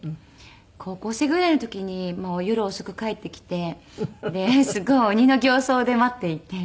高校生ぐらいの時に夜遅く帰ってきてすごい鬼の形相で待っていて。